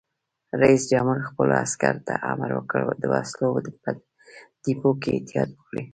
رئیس جمهور خپلو عسکرو ته امر وکړ؛ د وسلو په ډیپو کې احتیاط وکړئ!